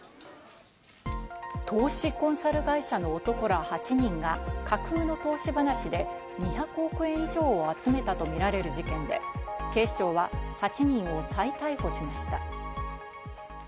投資コンサル会社の男ら８人が架空の投資話で２００億円以上を集めたとみられる事件で、警視庁は８人を再逮捕しました。